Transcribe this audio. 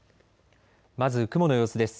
まず雲の様子です。